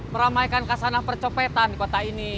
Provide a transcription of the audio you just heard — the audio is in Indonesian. meramaikan kasanah percopetan di kota ini